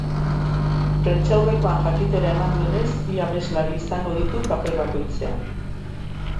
Prentsaurrekoan jakitera eman duenez, bi abeslari izango ditu paper bakoitzean.